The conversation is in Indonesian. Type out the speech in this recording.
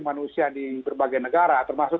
manusia di berbagai negara termasuk